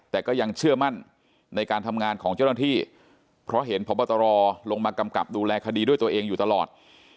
แต่ก็ยังเชื่อมั่นในการทำงานของเจ้าหน้าที่เพราะเห็นพบตรลงมากำกับดูแลคดีด้วยตัวเองอยู่ตลอด